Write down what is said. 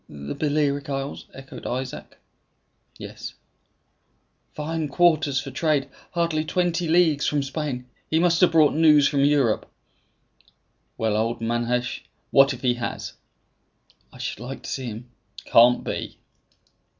"The Balearic Isles?" echoed Isaac. "Yes." "Fine quarters for trade! Hardly twenty leagues from Spain! He must have brought news from Europe!" "Well, old Manasseh, what if he has?" "I should like to see him." "Can't be."